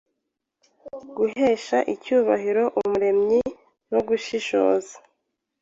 Guhesha icyubahiro Umuremyi no gushishoza